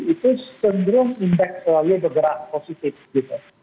itu segera indeks selalu bergerak positif